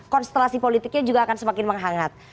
konstelasi politiknya juga akan semakin menghangat